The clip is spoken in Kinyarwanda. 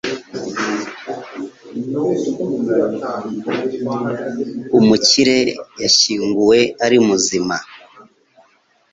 Umukire yashyinguwe. ari muzima.